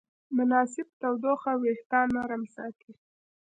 مناسب تودوخه وېښتيان نرم ساتي.